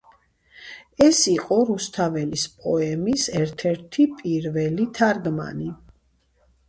ეს იყო რუსთაველის პოემის ერთ-ერთი პირველი თარგმანი.